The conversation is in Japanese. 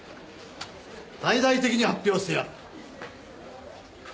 大々的に発表してやる。